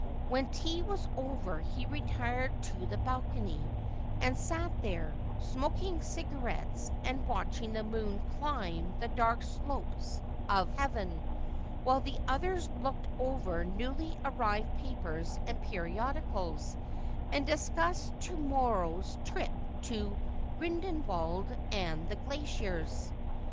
When tea was over he retired to the balcony, and sat there, smoking cigarettes and watching the moon climb the dark slopes of heaven ; while the others looked over newly arrived papers and periodicals, and discussed to mor row's trip to Grindelwald and the glaciers.